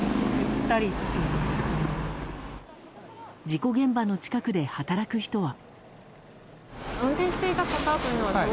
事故現場の近くで働く人は。